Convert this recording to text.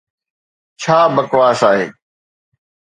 !ڇا بڪواس آهي